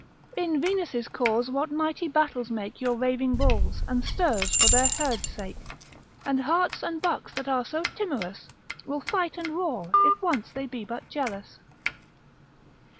In Venus' cause what mighty battles make Your raving bulls, and stirs for their herd's sake: And harts and bucks that are so timorous, Will fight and roar, if once they be but jealous.